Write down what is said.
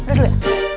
udah dulu ya